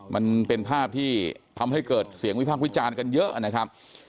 มันเป็นภาพที่ทำให้เกิดเสียงวิพากษ์วิจารณ์กันเยอะนะครับ